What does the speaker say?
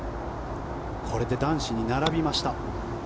これで男子に並びました。